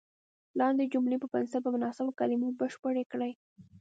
لاندې جملې په پنسل په مناسبو کلمو بشپړې کړئ.